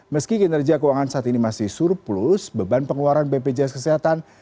meski kinerja keuangan saat ini masih surplus beban pengeluaran bpjs kesehatan